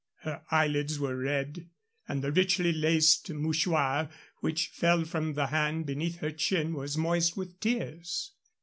Her eyelids were red, and the richly laced mouchoir which fell from the hand beneath her chin was moist with tears.